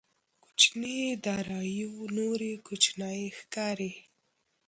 کوچنيې داراییو نورې کوچنۍ ښکاري.